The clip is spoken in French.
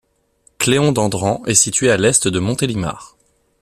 Cléon-d'Andran est situé à à l'est de Montélimar.